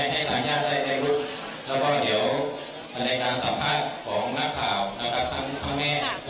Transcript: ให้ทายาทได้รู้แล้วก็เดี๋ยวในการสัมภาษณ์ของนักข่าวนะครับพ่อแม่